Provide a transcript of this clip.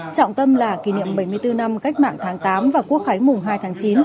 trọng tâm là kỷ niệm bảy mươi bốn năm cách mạng tháng tám và quốc khánh mùng hai tháng chín